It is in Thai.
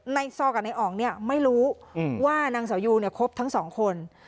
ซอกับนายอ๋องเนี่ยไม่รู้ว่านางสาวยูเนี่ยครบทั้งสองคน